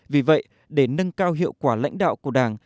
vì vậy để nâng cao hiệu quả lãnh đạo của đảng